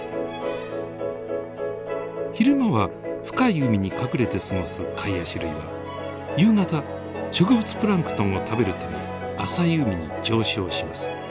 昼間は深い海に隠れて過ごすカイアシ類は夕方植物プランクトンを食べるため浅い海に上昇します。